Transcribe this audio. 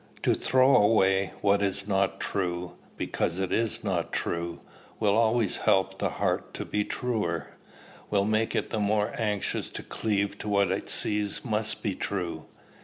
To throw away what is not true, because it is not true, will always help the heart to be truer; will make it the more anxious to cleave to what it sees must be true.